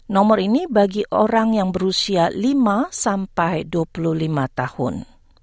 nomor ini bagi orang yang berusia lima sampai dua puluh lima tahun